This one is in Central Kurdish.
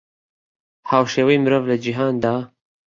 هاوشێوەی مرۆڤ لە جیهاندا